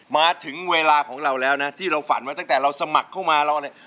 มาถึงเวลาของเราแล้วนะที่เราฝันมาตั้งแต่เราสมัครเข้ามาเราเนี่ย